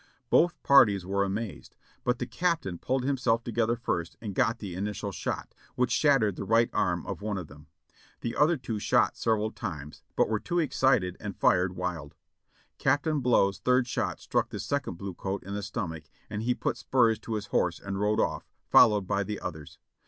Both parties were amazed, but the Captain pulled himself together first and got the initial shot, which shattered the right arm of one of them. The other two shot several times, but were too excited and fired wild. Captain Blow's third shot struck the second blue coat in the stomach, and he put spurs to his horse and rode off, followed by the others.